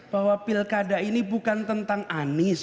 bahwa pilkada ini bukan tentang anies